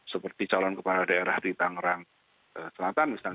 seperti calon kepala daerah di tangerang selatan misalnya